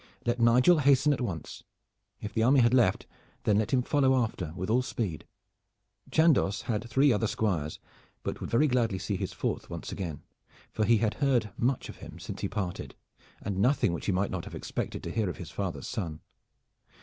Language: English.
Let Nigel hasten at once. If the army had left, then let him follow after with all speed. Chandos had three other squires, but would very gladly see his fourth once again, for he had heard much of him since he parted, and nothing which he might not have expected to hear of his father's son.